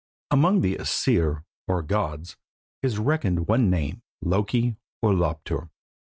Among the Æsir, or gods, is reckoned one named Loki or Loptur.